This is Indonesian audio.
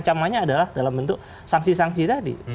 yang namanya adalah dalam bentuk sanksi sanksi tadi